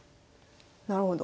なるほど。